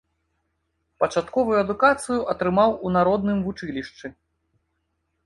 Пачатковую адукацыю атрымаў у народным вучылішчы.